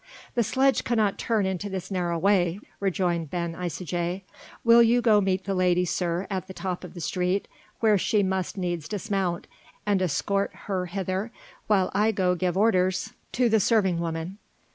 "The sledge cannot turn into this narrow way," rejoined Ben Isaje, "will you go meet the lady, sir, at the top of the street where she must needs dismount, and escort her hither, while I go to give orders to the serving woman.